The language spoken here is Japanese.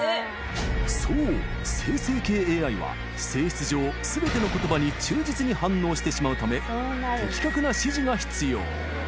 そう生成系ＡＩは性質上全ての言葉に忠実に反応してしまうため的確な指示が必要